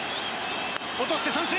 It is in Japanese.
落として三振。